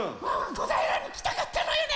こだいらにきたかったのよね。